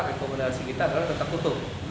rekomendasi kita adalah tetap tutup